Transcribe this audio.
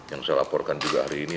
yang saya laporkan juga hari ini